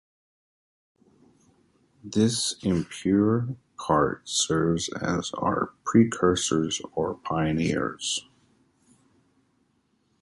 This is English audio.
This impure part serves as our precursors or pioneers.